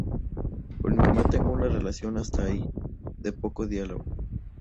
Con mi mamá tengo una relación hasta ahí, de poco diálogo.